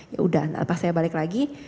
ya udah pas saya balik lagi